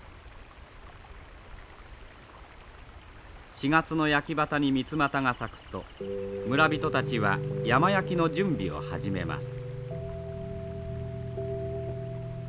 ４月の焼畑にミツマタが咲くと村人たちは山焼きの準備を始めます。